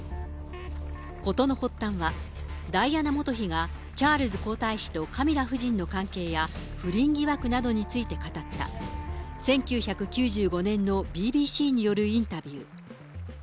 ことの発端は、ダイアナ元妃がチャールズ皇太子とカミラ夫人の関係や、不倫疑惑などについて語った１９９５年のＢＢＣによるインタビュー。